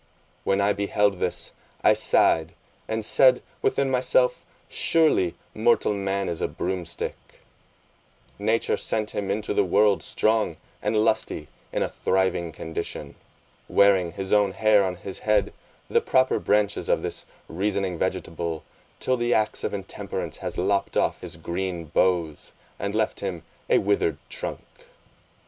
When I beheld this, I sighed and said within myself, surely mortal man is a broom stick; nature sent him into the world strong and lusty, in a thriving condition, wearing his own hair on his head, the proper branches of this reasoning vegetable, till the axe of intemperance has lopped off his green boughs, and left him a withered trunk.